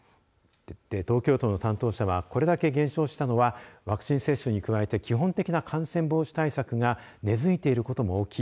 東京都の担当者はこれだけ減少したのはワクチン接種に加えて基本的な感染防止対策が根づいていることも大きい。